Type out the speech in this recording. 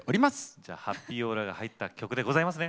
じゃあハッピーオーラが入った曲でございますね！